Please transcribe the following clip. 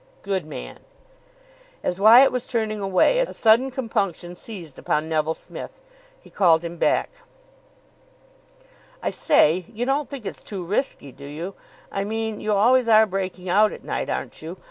"Good man." As Wyatt was turning away, a sudden compunction seized upon Neville Smith. He called him back. "I say, you don't think it's too risky, do you? I mean, you always are breaking out at night, aren't you?